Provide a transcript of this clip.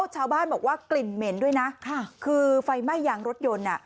ชาวบ้านบอกว่ากลิ่นเหม็นด้วยนะคือไฟไหม้ยางรถยนต์อ่ะ